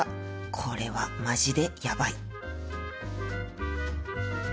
これはマジでやばい。